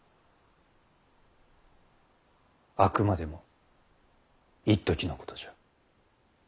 あくまでもいっときのことじゃ。